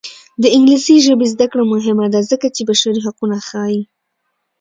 د انګلیسي ژبې زده کړه مهمه ده ځکه چې بشري حقونه ښيي.